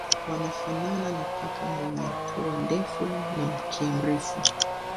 Wanafanana na paka wenye pua ndefu na mkia mrefu.